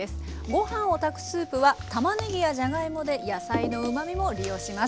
ご飯を炊くスープはたまねぎやじゃがいもで野菜のうまみも利用します。